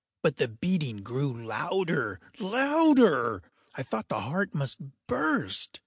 But the beating grew louder, louder! I thought the heart must burst.